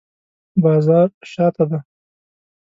بازار شاته دی